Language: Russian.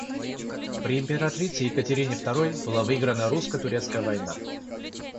При императрице Екатерине Второй была выиграна Русско-турецкая война.